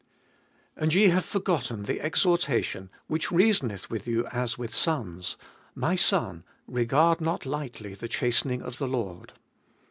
And ye have forgotten the exhortation, which reasoneth with you as with sons, My son, regard not lightly the chastening of the Lord.